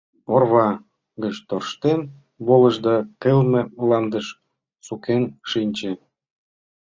Орва гыч тӧрштен волыш да кылме мландыш сукен шинче.